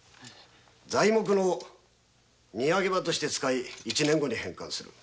材木の荷揚げ場として使い一年後に返還する。